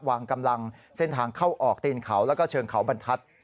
วางกำลังเส้นทางเข้าออกตีนเขาแล้วก็เชิงเขาบรรทัศน์